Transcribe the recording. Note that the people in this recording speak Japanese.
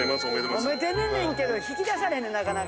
褒めてるねんけど引き出されへんねんなかなか。